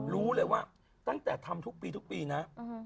รู้ไปว่าตั้งแต่ทำทลุกปีนะ